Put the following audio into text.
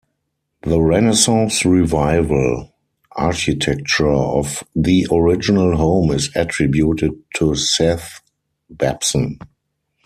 The Renaissance Revival architecture of the original home is attributed to Seth Babson.